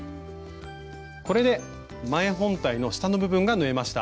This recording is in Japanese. これで前本体の下の部分が縫えました。